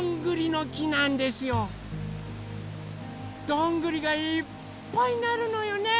どんぐりがいっぱいなるのよね